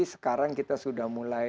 sekarang kita sudah mulai